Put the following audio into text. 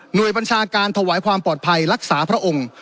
โดยบัญชาการถวายความปลอดภัยรักษาพระองค์